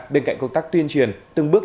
bên cạnh công tác tuyên truyền từng bước